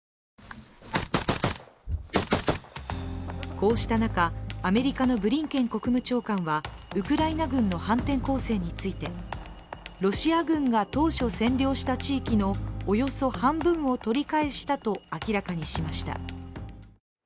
こうした中、アメリカのブリンケン国務長官はウクライナ軍の反転攻勢についてロシア軍が当初占領した地域のおよそ半分を取り返したと明らかにしました。